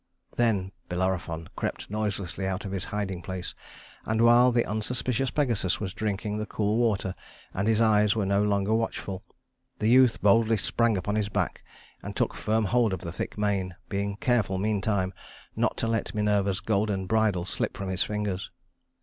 Then Bellerophon crept noiselessly out of his hiding place, and while the unsuspicious Pegasus was drinking the cool water and his eyes were no longer watchful, the youth boldly sprang upon his back and took firm hold of the thick mane, being careful meantime not to let Minerva's golden bridle slip from his fingers.